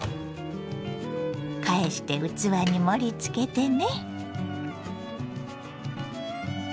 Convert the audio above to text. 返して器に盛りつけてね。